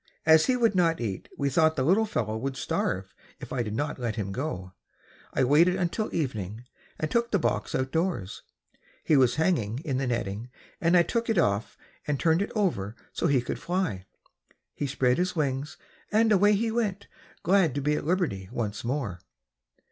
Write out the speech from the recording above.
As he would not eat we thought the little fellow would starve if I did not let him go. I waited until evening and took the box outdoors. He was hanging to the netting, and I took it off and turned it over so he could fly. He spread out his wings and away he went, glad to be at liberty once more.